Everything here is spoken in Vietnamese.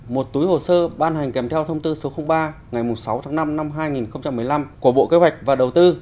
một túi hồ sơ ban hành kèm theo thông tư số ba ngày sáu tháng năm năm hai nghìn một mươi năm của bộ kế hoạch và đầu tư